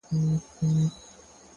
وخت د هیڅ چا لپاره نه درېږي؛